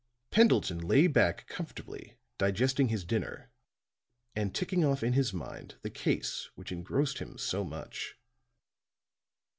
Pendleton lay back comfortably digesting his dinner, and ticking off in his mind the case which engrossed him so much.